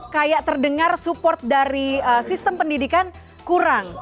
kayak terdengar support dari sistem pendidikan kurang